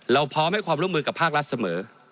พร้อมให้ความร่วมมือกับภาครัฐเสมอ